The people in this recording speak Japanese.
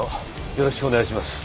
よろしくお願いします。